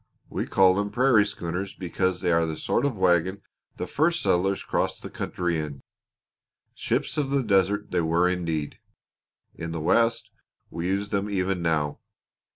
We call them prairie schooners because they are the sort of wagon the first settlers crossed the country in. Ships of the Desert they were indeed! In the West we use them even now.